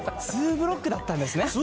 ツーブロックやったんですね？